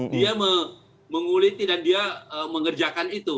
dia menguliti dan dia mengerjakan itu